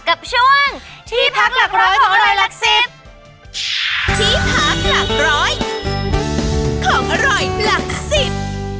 กับช่วงที่พักหลักร้อยของอร่อยหลักสิบ